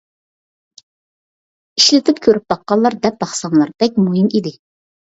ئىشلىتىپ كۆرۈپ باققانلار دەپ باقساڭلار، بەك مۇھىم ئىدى.